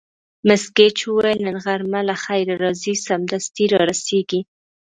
مس ګېج وویل: نن غرمه له خیره راځي، سمدستي را رسېږي.